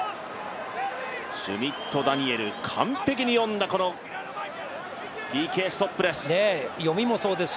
シュミット・ダニエル、完璧に読んだこのＰＫストップです。